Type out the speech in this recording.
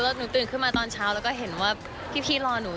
หนูตื่นขึ้นมาตอนเช้าแล้วก็เห็นว่าพี่รอหนู